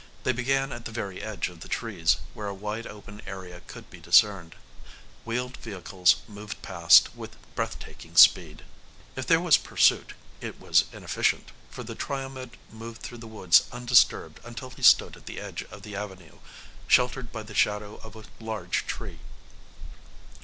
They began at the very edge of the trees, where a wide open area could be discerned. Wheeled vehicles moved past with breathtaking speed. If there was pursuit, it was inefficient, for the Triomed moved through the woods undisturbed until he stood at the edge of the avenue, sheltered by the shadow of a large tree.